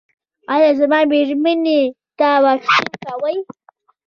ایا زما میرمنې ته واکسین کوئ؟